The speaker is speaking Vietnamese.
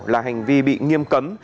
là hành vi bị nghiêm cấm